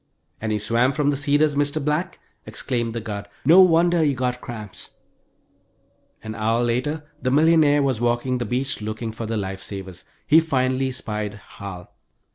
"And you swam from the Cedars, Mr. Black," exclaimed the guard. "No wonder you got cramps." An hour later the millionaire was walking the beach looking for the life savers. He finally spied Hal.